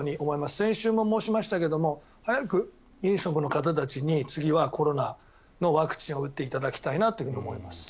先週も申しましたけど早く飲食の方たちに次はコロナのワクチンを打っていただきたいなというふうに思います。